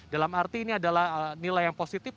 dalam arti ini adalah nilai yang positif